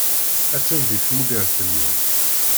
Attan deg tmugert-nni.